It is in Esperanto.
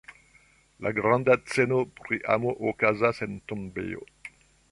La granda sceno pri amo, okazas en tombejo!